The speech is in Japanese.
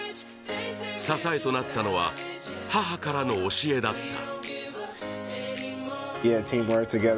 支えとなったのは、母からの教えだった。